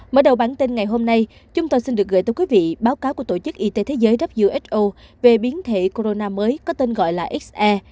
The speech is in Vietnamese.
mở đầu bản tin ngày hôm nay chúng tôi xin được gửi tới quý vị báo cáo của tổ chức y tế thế giới who về biến thể corona mới có tên gọi là se